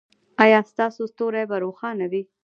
ایا ستاسو ستوری به روښانه وي؟